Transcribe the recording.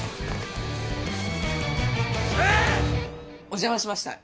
お邪魔しました。